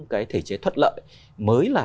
cái thể chế thuận lợi mới là